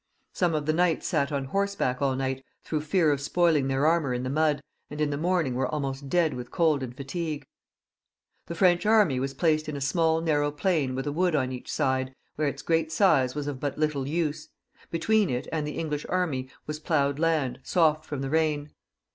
Some of the knights sat on horse back all night through for fear of spoiling their armour in the mud, and in the morning were almost dead of cold and fatigue. The French army was placed in a small narrow plain with a wood on each side, where its great size was of but little use ; between it and the English army was ploughed land soft from the rain.